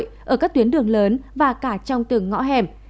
ở các tuyến đường lớn và cả trong từng ngõ hẻm